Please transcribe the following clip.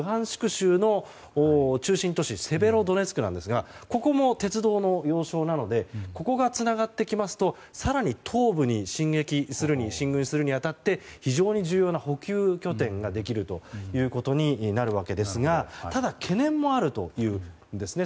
州の中心都市セベロドネツクなんですがここも鉄道の要衝なのでここがつながってきますと更に東部に進軍するに当たって非常に重要な補給拠点ができるということになるわけですがただ懸念もあるというんですね。